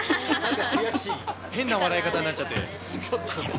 変な笑い方になっちゃってる。